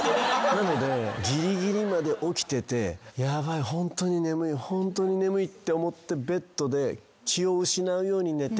なのでぎりぎりまで起きててヤバいホントに眠いホントに眠いって思ってベッドで気を失うように寝て。